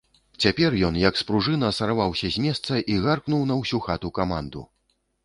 Цяпер ён, як спружына, сарваўся з месца і гаркнуў на ўсю хату каманду.